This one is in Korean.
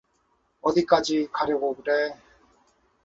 어디까지 가려고 그래?